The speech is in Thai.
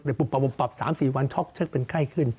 แต่ปุปับปุปับปุปับ๓๔วันช็อกเชื้อเป็นไข้ขึ้น